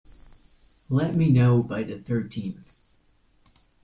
Let me know by the thirteenth.